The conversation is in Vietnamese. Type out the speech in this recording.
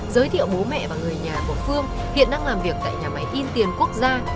giới thiệu bố mẹ và người nhà của phương hiện đang làm việc tại nhà máy in tiền quốc gia